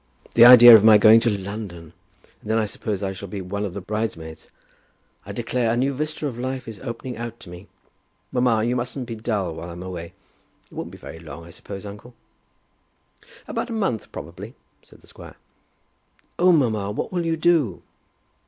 The idea of my going to London! And then I suppose I shall be one of the bridesmaids. I declare a new vista of life is opening out to me! Mamma, you mustn't be dull while I'm away. It won't be very long, I suppose, uncle?" "About a month, probably," said the squire. "Oh, mamma; what will you do?"